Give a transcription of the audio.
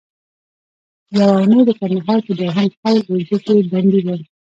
یوه اونۍ د کندهار په دوهم قول اردو کې بندي وم.